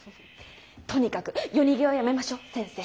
とにかく夜逃げはやめましょう先生。